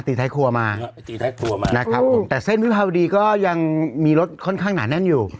ตีท้ายครัวมาตีท้ายครัวมานะครับผมแต่เส้นวิภาวดีก็ยังมีรถค่อนข้างหนาแน่นอยู่